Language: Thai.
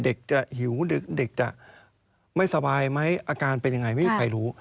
เด็กจะหิวเด็กจะไม่สบายไหมอาการเป็นยังไงไม่มีใครรู้